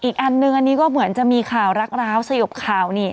อีกอันนึงอันนี้ก็เหมือนจะมีข่าวรักร้าวสยบข่าวนี่